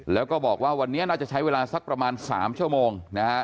แล้วก็บอกว่าวันนี้น่าจะใช้เวลาสักประมาณ๓ชั่วโมงนะฮะ